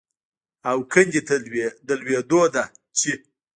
او کندې ته د لوېدو ده چې